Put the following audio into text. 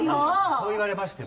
そう言われましても。